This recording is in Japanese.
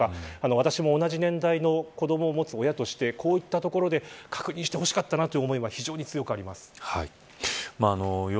私も同じ年代の子を持つ親としてこういうところで確認してほしかった思いが強くあります。